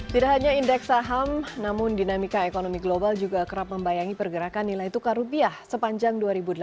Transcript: tidak hanya indeks saham namun dinamika ekonomi global juga kerap membayangi pergerakan nilai tukar rupiah sepanjang dua ribu delapan belas